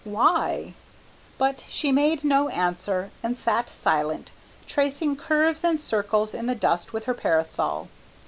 "Why?" But she made no answer, and sat silent, tracing curves and circles in the dust with her parasol.